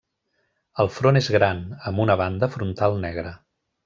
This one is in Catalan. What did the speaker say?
El front és gran, amb una banda frontal negra.